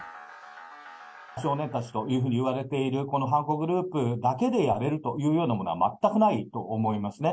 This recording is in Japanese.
少年たちというふうにいわれている、この犯行グループだけでやれるというようなものは全くないと思いますね。